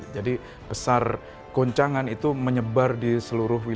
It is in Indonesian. jadi besar goncangan itu menyebar di daerah jakarta